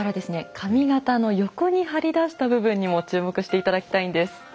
髪形の横に張り出した部分にも注目して頂きたいんです。